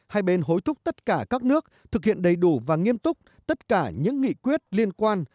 hai bên hối thúc tất cả các nước thực hiện đầy đủ và nghiêm túc tất cả những nghị quyết liên quan